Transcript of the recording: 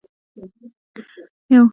يو کلک پښتون ، ښۀ ملګرے او بې بدله دوست وو